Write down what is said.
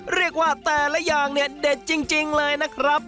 เรียกว่าแต่ละอย่างเนี่ยเด็ดจริงเลยนะครับ